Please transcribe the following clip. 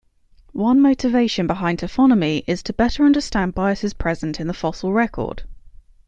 One motivation behind taphonomy is to better understand biases present in the fossil record.